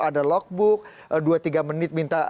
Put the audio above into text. ada logbook dua tiga menit minta